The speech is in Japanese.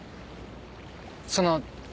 その。